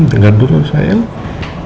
tengah dulu sayang